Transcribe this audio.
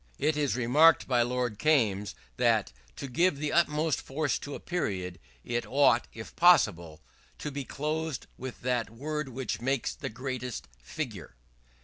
It is remarked by Lord Kaimes, that "to give the utmost force to a period, it ought, if possible, to be closed with that word which makes the greatest figure."